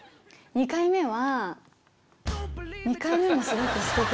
２回目は。